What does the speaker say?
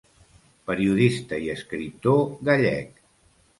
Periodista i escriptor gallec.